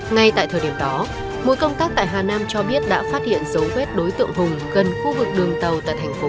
ngay tại thời điểm đó mối công tác tại hà nam cho biết đã phát hiện dấu vết đối tượng hùng gần khu vực đường tàu tại thành phố hà nội